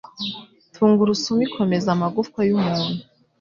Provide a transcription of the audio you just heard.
Tungurusumu ikomeza amagufa y'umuntu